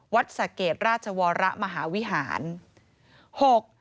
วัดสะเกดราชวระมหาวิหารหก